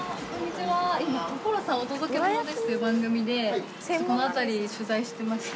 今『所さんお届けモノです！』という番組でこの辺り取材してまして。